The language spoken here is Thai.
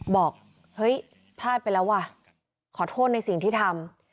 บอกเฮ้ยพลาดไปแล้วว่ะขอโทษในสิ่งที่ทำ